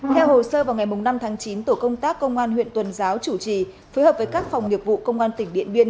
theo hồ sơ vào ngày năm tháng chín tổ công tác công an huyện tuần giáo chủ trì phối hợp với các phòng nghiệp vụ công an tỉnh điện biên